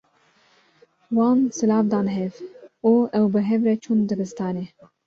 Wan silav dan hev û ew bi hev re çûn dibistanê.